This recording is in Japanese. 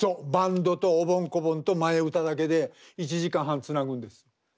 バンドとおぼん・こぼんと前歌だけで１時間半つなぐんです。